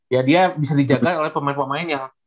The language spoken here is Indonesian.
ya dia bisa dijaga oleh pemain pemain yang